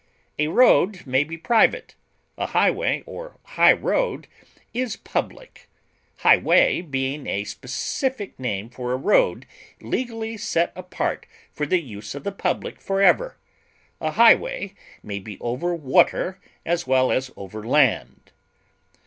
A road may be private; a highway or highroad is public, highway being a specific name for a road legally set apart for the use of the public forever; a highway may be over water as well as over land.